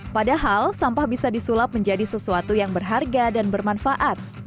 padahal sampah bisa disulap menjadi sesuatu yang berharga dan bermanfaat